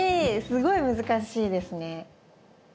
すごい難しいですね。